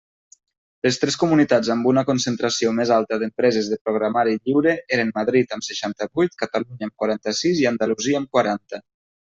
Les tres comunitats amb una concentració més alta d'empreses de programari lliure eren Madrid, amb seixanta-vuit, Catalunya, amb quaranta-sis, i Andalusia, amb quaranta.